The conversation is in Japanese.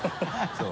そう。